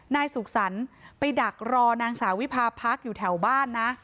นายสุขสรรค์ไปดักรอนางสาววิพาพักอยู่แถวบ้านนะ